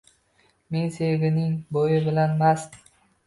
Men sevgining bo’yi bilan mast.